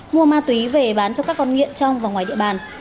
mua mà tùy về bán cho các con nghiện trong và ngoài địa bàn